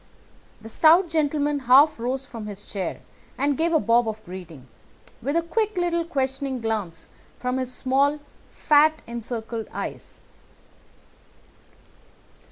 The stout gentleman half rose from his chair and gave a bob of greeting, with a quick little questioning glance from his small fat encircled eyes.